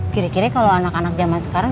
kira kira kalau anak anak zaman sekarang